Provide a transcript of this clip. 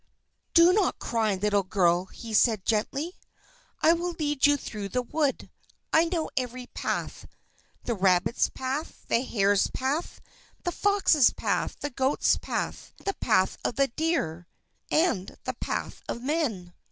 "Do not cry, little girl," said he gently. "I will lead you through the wood. I know every path the rabbit's path, the hare's path, the fox's path, the goat's path, the path of the deer, and the path of men."